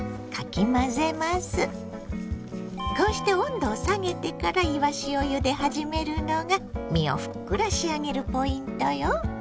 こうして温度を下げてからいわしをゆで始めるのが身をふっくら仕上げるポイントよ。